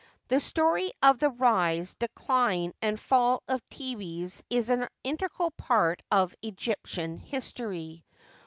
The story of the rise, decline, and fall of Thebes is an integral part of Egyptian history.